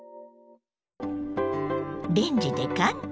レンジで簡単！